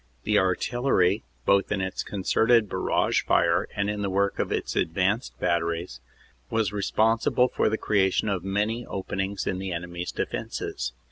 The Artillery, both in its concerted barrage fire and in the work of its advanced batteries, was responsible for the creation of many openings in the enemy s defenses.